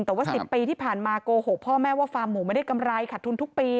แต่ว่า๑๐ปีที่ผ่านมาโกหกพ่อแม่ว่าฟาร์มหมูไม่ได้กำไรขัดทุนทุกปี